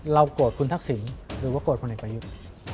เรากลดคุณทักษิงหรือว่ากลดคนในประยุทธิ์